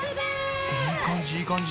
いい感じいい感じ。